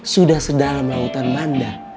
sudah sedalam lautan manda